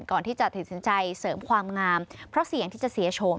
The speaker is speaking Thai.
ก่อนที่จะตัดสินใจเสริมความงามเพราะเสี่ยงที่จะเสียโฉม